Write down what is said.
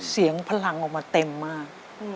เสียงพลังออกมาเต็มมาก